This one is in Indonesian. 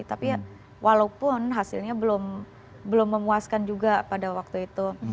tapi walaupun hasilnya belum memuaskan juga pada waktu itu